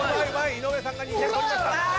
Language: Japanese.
井上さんが２点取りました。